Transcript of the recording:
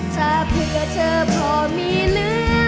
ถ้าเผื่อเธอพอมีเหลือ